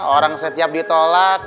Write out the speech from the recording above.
orang setiap ditolak